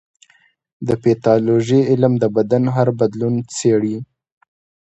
د پیتالوژي علم د بدن هر بدلون څېړي.